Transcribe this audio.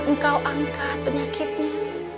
engkau angkat penyakitnya